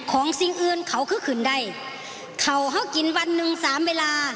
สิ่งอื่นเขาคือคืนใดเขาเขากินวันหนึ่งสามเวลา